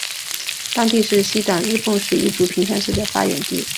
当地是西党日奉氏一族平山氏的发源地。